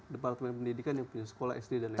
departemen pendidikan yang punya sekolah sd dan lain lain